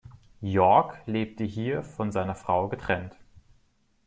Yorke lebt hier von seiner Frau getrennt.